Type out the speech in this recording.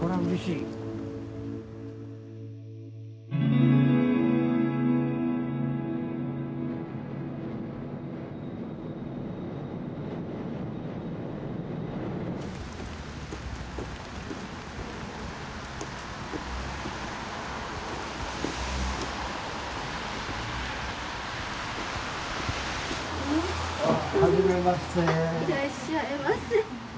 いらっしゃいませ。